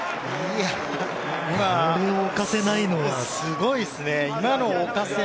これを置かせないのはすごいですね。